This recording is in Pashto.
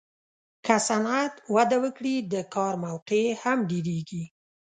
که صنعت وده وکړي، د کار موقعې هم ډېرېږي.